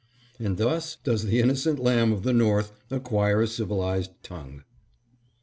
And thus does the innocent lamb of the North acquire a civilized tongue.